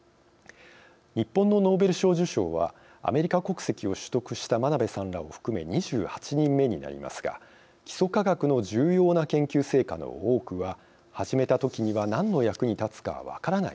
日本のノーベル賞受賞はアメリカ国籍を取得した真鍋さんらを含め２８人目になりますが基礎科学の重要な研究成果の多くは始めたときには何の役に立つかは分からない